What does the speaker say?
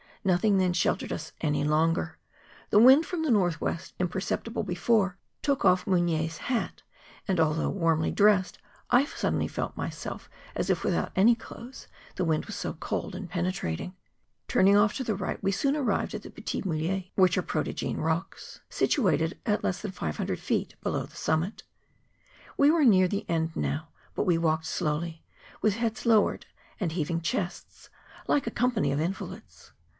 Nothing then sheltered u«5 any longer ; the wind from the north west, im¬ perceptible before, took off Mugnier's hat, and, al though warnaly dressed, I suddenly felt myself as if without any clothes, the wind was so cold and pene¬ trating. Turning off to the right, we soon arrived at the Petits Mulets, which are protogine rocks, situated at less than 500 feet below the summit. We were near the end now, but we walked slowly, with heads lowered and heaving chests, like a com¬ pany of invalids.